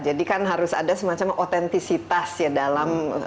jadi kan harus ada semacam autentisitas ya dalam